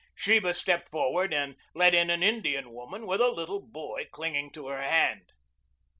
Sheba stepped forward and let in an Indian woman with a little boy clinging to her hand.